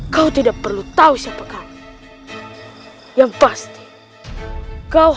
rai rara santan